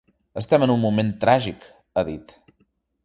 Estem en un moment tràgic, ha dit.